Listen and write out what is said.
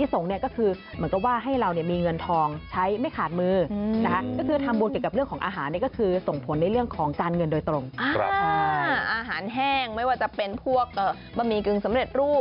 สังขทานอาหารก็คือสายเป็นพวกบะหมี่เกิงสำเร็จรูป